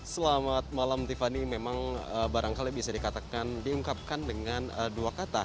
selamat malam tiffany memang barangkali bisa dikatakan diungkapkan dengan dua kata